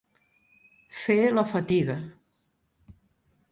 Fer la fatiga.